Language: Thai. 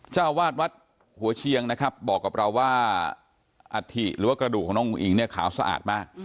เจ้าวาดวัดหัวเชียงนะครับบอกกับเราว่าอัฐิหรือว่ากระดูกของน้องอุ้งอิ๋งเนี่ยขาวสะอาดมาก